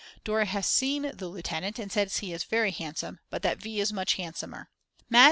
Dora has seen the lieutenant and says he is very handsome, but that V. is much handsomer. Mad.